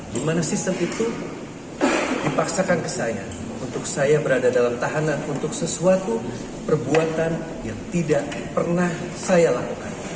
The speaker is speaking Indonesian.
di mana sistem itu dipaksakan ke saya untuk saya berada dalam tahanan untuk sesuatu perbuatan yang tidak pernah saya lakukan